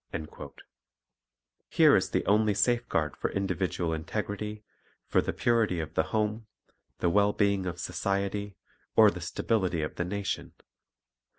2 Here is the only safeguard for individual integrity, for the purity of the home, the well being of society, or the stability of the nation.